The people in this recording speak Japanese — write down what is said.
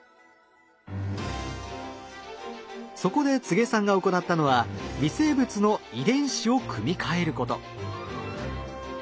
そこで柘植さんが行ったのは微生物の遺伝子を組み換えること。